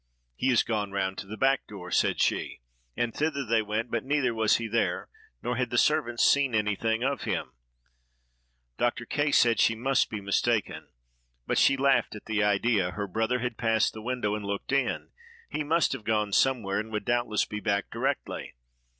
"He is gone round to the back door," said she; and thither they went; but neither was he there, nor had the servants seen anything of him. Dr. K—— said she must be mistaken, but she laughed at the idea; her brother had passed the window and looked in; he must have gone somewhere, and would doubtless be back directly.